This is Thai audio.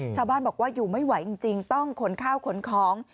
ชาวบ้านบอกว่าอยู่ไม่ไหวจริงต้องขนข้าวขนของ